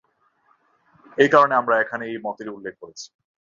এই কারণে আমরা এখানে এই মতেরই উল্লেখ করেছি।